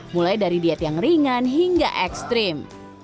mulai dari diet yang ringan hingga ekstrim